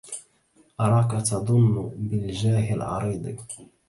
أراك تضن بالجاه العريض